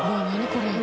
これ。